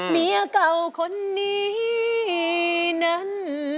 เมียเก่าคนนี้นั้น